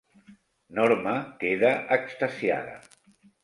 Norma queda extasiada.